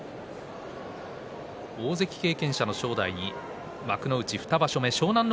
大関経験者の正代に幕内２場所目湘南乃